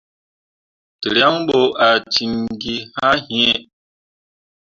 Tǝrwaŋ bo ah cin gi haa yĩĩ.